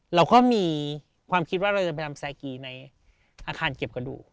เราก็มีความคิดว่าเราจะไปทำแซกีในอาคารเก็บกระดูก